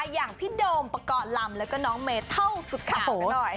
อย่างพี่โดมประกอบลำแล้วก็น้องเมเท่าสุดคำบอกกันหน่อย